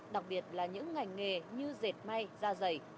đặc biệt là những ngành nghề như dệt may da dày